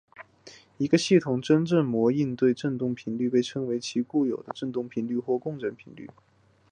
一个系统的简正模对应的振动频率被称为其固有频率或共振频率。